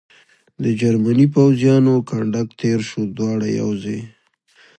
د جرمني پوځیانو کنډک تېر شو، دواړه یو ځای.